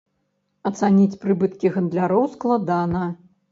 Ацаніць прыбыткі гандляроў складана.